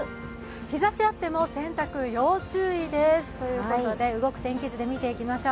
日ざしあっても洗濯要注意ですということで動く天気図で見ていきましょう。